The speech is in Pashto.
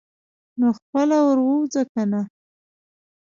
نو خپله ور ووځه کنه.